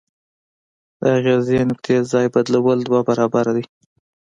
د اغیزې نقطې ځای بدلیدل دوه برابره دی.